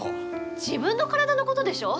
自分の体のことでしょ？